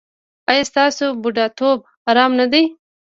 ایا ستاسو بوډاتوب ارام نه دی؟